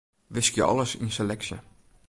Wiskje alles yn seleksje.